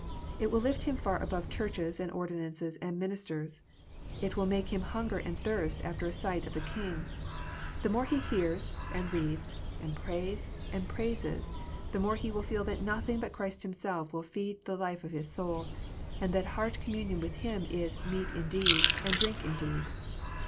It will lift him far above Churches, and ordinances, and ministers. It will make him hunger and thirst after a sight of the King. The more he hears, and reads, and prays, and praises, the more he will feel that nothing but Christ Himself will feed the life of his soul, and that heart communion with Him is "meat indeed and drink indeed."